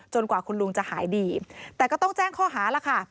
กว่าคุณลุงจะหายดีแต่ก็ต้องแจ้งข้อหาล่ะค่ะ